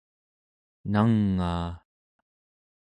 nangaa